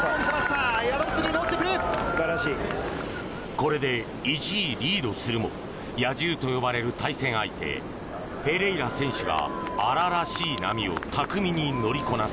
これで一時リードするも野獣と呼ばれる対戦相手フェレイラ選手が荒々しい波を巧みに乗りこなす。